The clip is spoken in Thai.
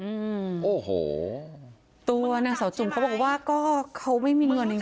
อืมโอ้โหตัวเนี่ยเสาร์จุ่มเขาบอกว่าก็เขาไม่มีเงินน้อย